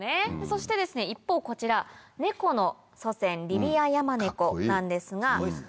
そして一方こちらネコの祖先リビアヤマネコなんですが。